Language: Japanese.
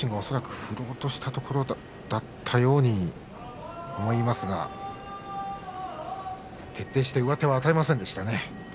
恐らく振ろうとしたところだったように思いますが徹底して上手を与えませんでしたね